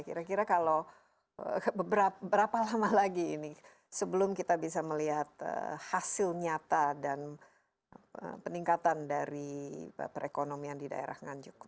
kira kira kalau berapa lama lagi ini sebelum kita bisa melihat hasil nyata dan peningkatan dari perekonomian di daerah nganjuk